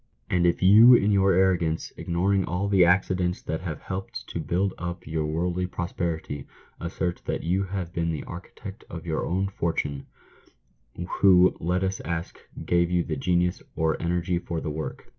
And if you, in your arrogance, ignoring all the accidents that have helped to build up your worldly prosperity, assert that you have been the "architect of your own fortune," who, let us ask, gave you the genius or energy for the work